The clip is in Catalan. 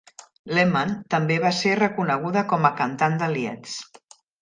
Lehmann també va ser reconeguda com a cantant de "lieds".